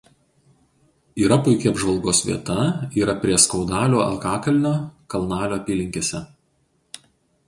Yra puiki apžvalgos vieta yra prie Skaudalių alkakalnio Kalnalio apylinkėse.